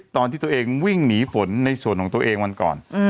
ตอนที่ตัวเองวิ่งหนีฝนในส่วนของตัวเองวันก่อน